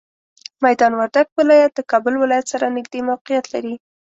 میدان وردګ ولایت د کابل ولایت سره نږدې موقعیت لري.